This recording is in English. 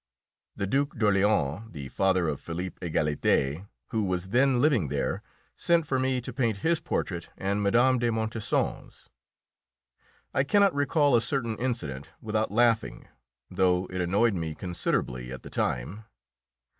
The Duke d'Orléans, the father of Philippe Égalité, who was then living there, sent for me to paint his portrait and Mme. de Montesson's. I cannot recall a certain incident without laughing, though it annoyed me considerably at the time.